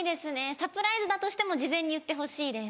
サプライズだとしても事前に言ってほしいです。